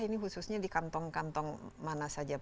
ini khususnya di kantong kantong mana saja pak